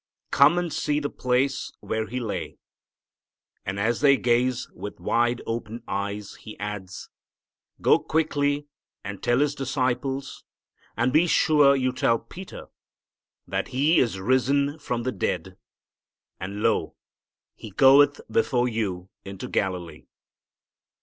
Come and see the place where He lay." And as they gaze with wide open eyes, he adds, "Go quickly and tell His disciples, and be sure you tell Peter, that He is risen from the dead, and lo, He goeth before you into Galilee.